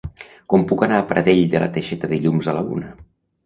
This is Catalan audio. Com puc anar a Pradell de la Teixeta dilluns a la una?